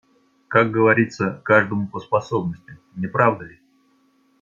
Как говорится, каждому по способностям, не правда ли?